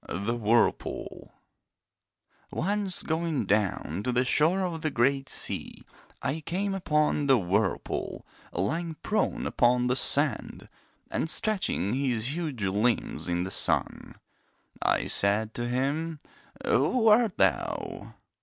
The Whirlpool Once going down to the shore of the great sea I came upon the Whirlpool lying prone upon the sand and stretching his huge limbs in the sun. I said to him: 'Who art thou?'